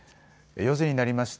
４時になりました。